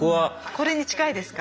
これに近いですか？